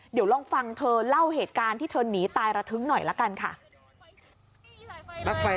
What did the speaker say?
เดี๋ยวลองฟังเธอเล่าเหตุการณ์ที่เธอหนีตายระทึ้งหน่อยละกันค่ะ